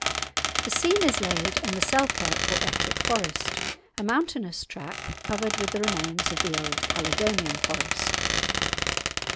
The scene is laid in the Selkirk or Ettrick Forest, a mountainous tract covered with the remains of the old Caledonian Forest.